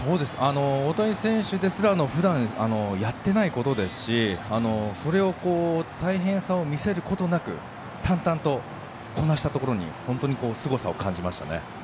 大谷選手ですら普段やってないことですしそれを大変さを見せることなく淡々とこなしたところに本当にすごさを感じましたね。